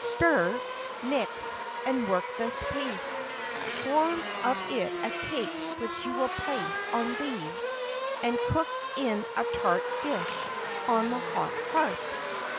Stir, mix, and work this paste; form of it a cake which you will place on leaves, and cook in a tart dish on the hot hearth."